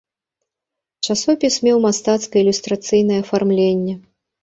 Часопіс меў мастацкае ілюстрацыйнае афармленне.